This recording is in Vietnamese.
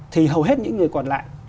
thì hầu hết những người còn lại